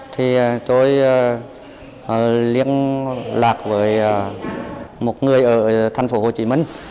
thì tôi liên lạc với một người ở thành phố hồ chí minh